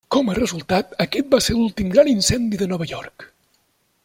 Com a resultat, aquest va ser l'últim gran incendi de Nova York.